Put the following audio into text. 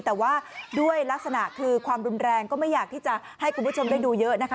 แต่ว่าด้วยลักษณะคือความรุนแรงก็ไม่อยากที่จะให้คุณผู้ชมได้ดูเยอะนะคะ